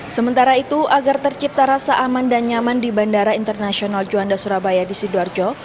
sementara itu agar tercipta rasa aman dan nyaman di bandara internasional juanda surabaya di sidoarjo